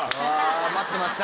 待ってました。